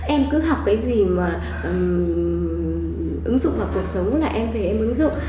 em cứ học cái gì mà ứng dụng vào cuộc sống là em về em ứng dụng